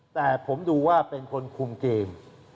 แต่ผมดูว่าเป็นคนคุมเกม